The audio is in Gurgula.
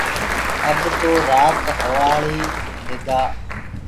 اب تو رآت هووآݪيٚ هي گآ